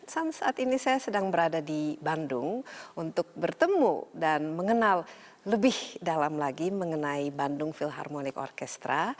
saat ini saya sedang berada di bandung untuk bertemu dan mengenal lebih dalam lagi mengenai bandung philharmonic orkestra